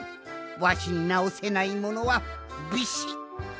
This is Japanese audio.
わしになおせないものはビシッない！